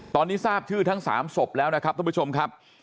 ตอนนี้ทราบชื่อทั้ง๓ศพแล้วนะครับท่านผู้ชมครับ